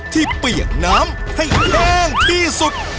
เปียกน้ำให้แห้งที่สุด